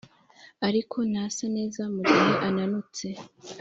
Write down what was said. ariko ntasa neza mugihe ananutse